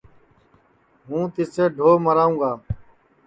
ہوں تِسیں ڈھو مراوں گا